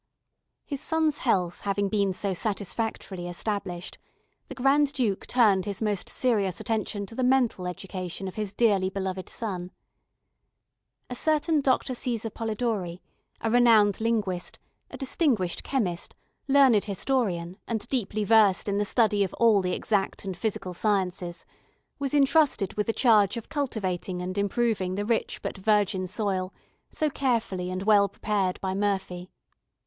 His son's health having been so satisfactorily established, the Grand Duke turned his most serious attention to the mental education of his dearly beloved son. A certain Doctor César Polidori, a renowned linguist, a distinguished chemist, learned historian, and deeply versed in the study of all the exact and physical sciences, was entrusted with the charge of cultivating and improving the rich but virgin soil so carefully and well prepared by Murphy.